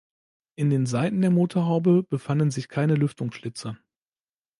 In den Seiten der Motorhaube befanden sich keine Lüftungsschlitze.